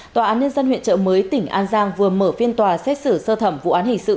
tòa án nhân dân huyện trợ mới tỉnh an giang vừa mở phiên tòa xét xử sơ thẩm vụ án hình sự